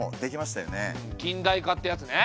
近代化ってやつね。